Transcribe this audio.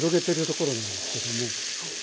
はい。